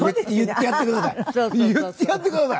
言ってやってください。